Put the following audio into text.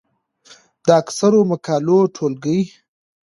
د اکثرو مقالو ټولګې،